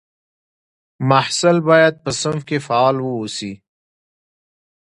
محصل باید په صنف کې فعال واوسي.